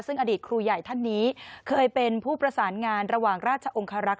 ซึ่งอดีตครูใหญ่ท่านนี้เคยเป็นผู้ประสานงานระหว่างราชองคารักษ